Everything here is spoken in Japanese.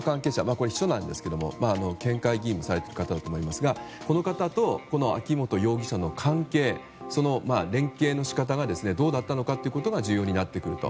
これは秘書なんですが県会議員もされている方だと思いますがこの方と秋本議員の関係や連携の仕方がどうだったのかということが重要になってくると。